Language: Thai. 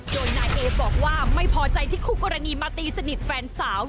โดยนายเอบอกว่าไม่พอใจที่คู่กรณีมาตีสนิทแฟนสาว